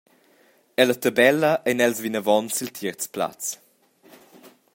Ella tabella ein els vinavon sil tierz plaz.